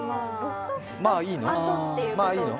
まあいいの？